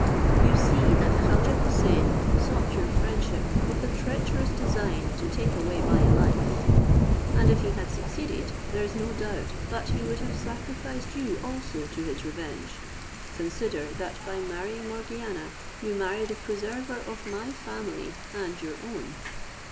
You see that Khaujeh Houssain sought your friendship with a treacherous design to take away my life; and, if he had succeeded, there is no doubt but he would have sacrificed you also to his revenge. Consider, that by marrying Morgiana you marry the preserver of my family and your own."